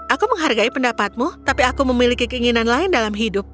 aku menghargai pendapatmu tapi aku memiliki keinginan lain dalam hidup